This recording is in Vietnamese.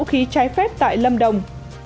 khí trái phép tại lâm đồng